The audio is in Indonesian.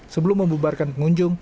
sebelum membubarkan pengunjung